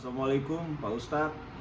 assalamu'alaikum pak ustadz